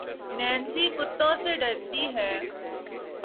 Nancy کتّوں سے درتی ہے